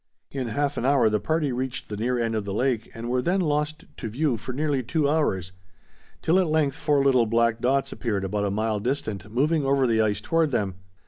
In half an hour the party reached the near end of the lake and were then lost to view for nearly two hours, till at length four little black dots appeared about a mile distant moving over the ice toward them.